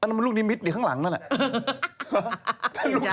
นั่นมันลูกนิมิตอยู่ข้างหลังนั่นแหละ